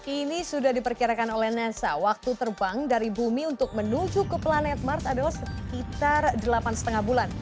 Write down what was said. ini sudah diperkirakan oleh nasa waktu terbang dari bumi untuk menuju ke planet mars adalah sekitar delapan lima bulan